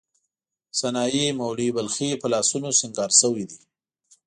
سنايي، مولوی بلخي په لاسونو سینګار شوې دي.